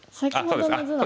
そうですね